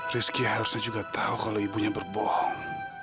rizky harusnya juga tahu kalau ibunya berbohong